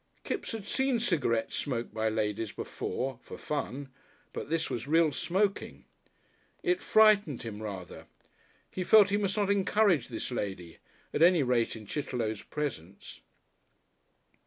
Kipps had seen cigarettes smoked by ladies before, "for fun," but this was real smoking. It frightened him rather. He felt he must not encourage this lady at any rate in Chitterlow's presence.